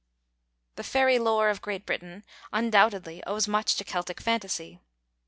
The fairy lore of Great Britain undoubtedly owes much to Celtic phantasy.